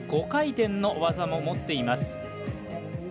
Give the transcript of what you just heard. ５回転の技も持っています。